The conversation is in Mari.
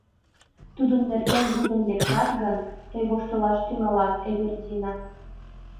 Тудын нерген лудын лектат гын, тый воштылаш тӱҥалат, Эвердина”.